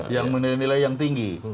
yang menilai yang tinggi